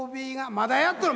まだやっとる！